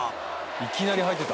「いきなり入ってた」